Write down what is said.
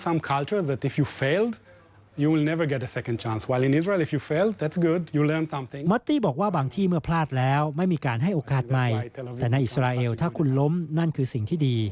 มัตตี้บอกว่าบางที่เมื่อพลาดแล้วไม่มีการให้โอกาสใหม่แต่ในอิสราเอลถ้าคุณล้มนั่นคือสิ่งที่ดี